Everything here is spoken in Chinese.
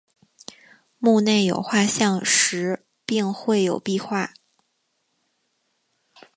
墓内有画像石并绘有壁画。